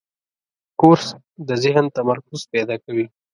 کورس د ذهن تمرکز پیدا کوي.